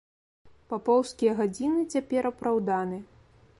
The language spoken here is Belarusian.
Папоўскія гадзіны цяпер апраўданы.